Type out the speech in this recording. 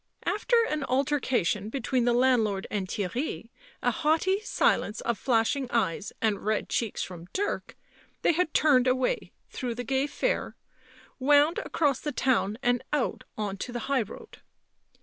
After an alter cation between the landlord and Theirry, a haughty silence of flashing eyes and red cheeks from Dirk, they had turned away through the gay fair, wound across the town and out on to the high road.